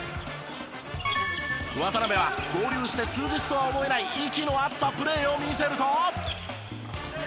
渡邊は合流して数日とは思えない息の合ったプレーを見せると。